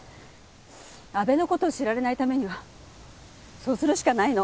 阿部の事を知られないためにはそうするしかないの。